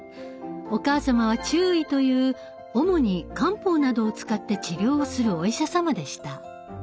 お母様は中医という主に漢方などを使って治療をするお医者様でした。